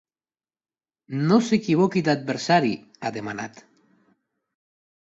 No s’equivoqui d’adversari, ha demanat.